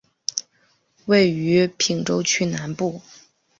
位于品川区南部。